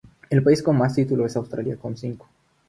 El país con más títulos es Australia con cinco.